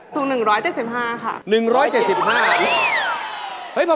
สูง๑๗๕ค่ะ